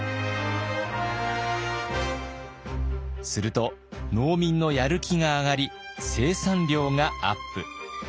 すると農民のやる気が上がり生産量がアップ。